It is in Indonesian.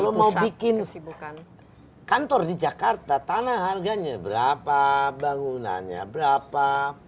kalau mau bikin kantor di jakarta tanah harganya berapa bangunannya berapa